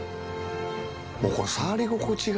もうこの触り心地が。